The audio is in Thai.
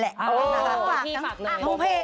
เถียวฝากเลย